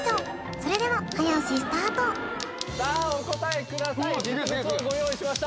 それでは早押しスタートさあお答えください実物をご用意しました